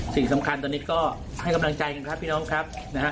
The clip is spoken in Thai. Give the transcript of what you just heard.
สิ่งสำคัญตอนนี้ก็ให้กำลังใจกันครับพี่น้องครับนะฮะ